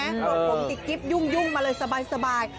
รวมผมติดกิ๊บยุ่งมาเลยสบาย